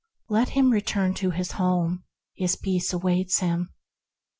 Let him return to his Home; his peace awaits him.